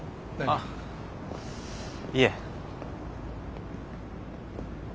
あっいえ。